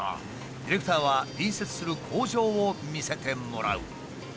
ディレクターは隣接する工場を見せてもらう。